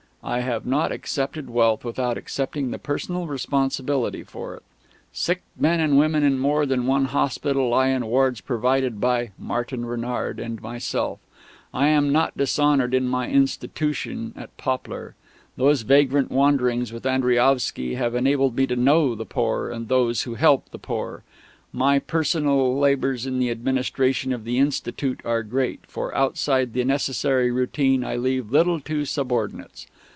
I have not accepted wealth without accepting the personal responsibility for it. Sick men and women in more than one hospital lie in wards provided by Martin Renard and myself; and I am not dishonoured in my Institution at Poplar. Those vagrant wanderings with Andriaovsky have enabled me to know the poor and those who help the poor. My personal labours in the administration of the Institute are great, for outside the necessary routine I leave little to subordinates.